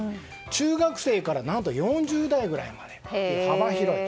中学生から４０代ぐらいまでと幅広い。